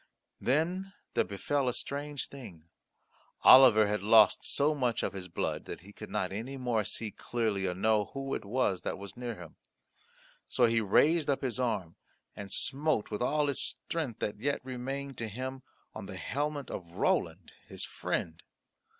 Then there befell a strange thing. Oliver had lost so much of his blood that he could not any more see clearly or know who it was that was near him. So he raised up his arm and smote with all his strength that yet remained to him on the helmet of Roland his friend.